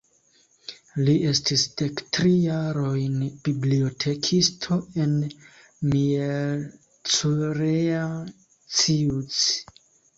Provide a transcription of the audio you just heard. Li estis dektri jarojn bibliotekisto en Miercurea Ciuc.